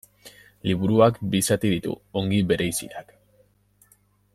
Liburuak bi zati ditu, ongi bereiziak.